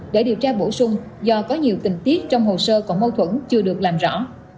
để điều tra bổ sung do có nhiều tình tiết trong hồ sơ còn mâu thuẫn chưa được làm rõ